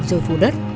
rồi phủ đất